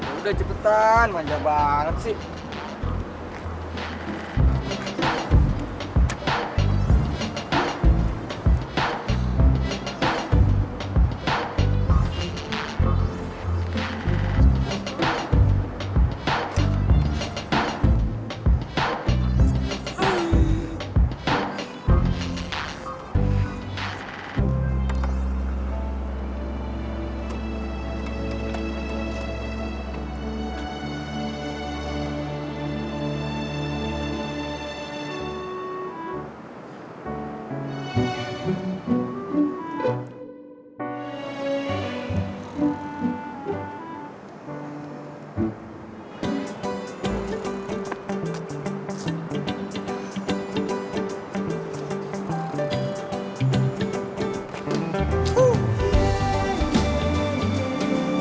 yaudah cepetan manja banget sih